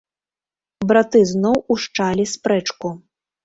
Браты зноў усчалі спрэчку.